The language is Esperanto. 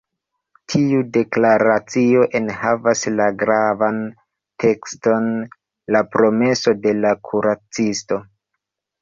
Tiu deklaracio enhavas la gravan tekston “La promeso de la kuracisto”.